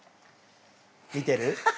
見てる？